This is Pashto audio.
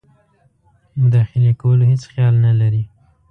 مداخلې کولو هیڅ خیال نه لري.